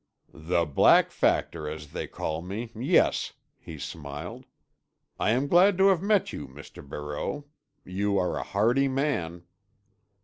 "The Black Factor, as they call me—yes," he smiled. "I am glad to have met you, Mr. Barreau. You are a hardy man."